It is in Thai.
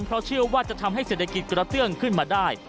เพราะเชื่อว่าจะทำให้เศรษฐกิจกระเตื้องขึ้นมาได้